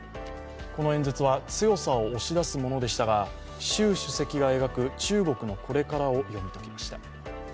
この演説は、強さを押し出すものでしたが、習主席が描く中国のこれからを読み解きました。